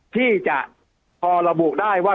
ที่จะพอระบุได้ว่า